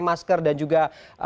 masker dan juga